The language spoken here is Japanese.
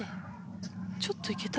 ちょっといけた？